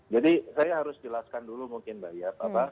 jadi saya harus jelaskan dulu mungkin mbak yat